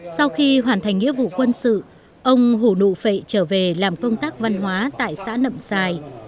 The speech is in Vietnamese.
sau khi hoàn thành nghĩa vụ quân sự ông hồ nụ phệ trở về làm công tác văn hóa tại xã nậm xài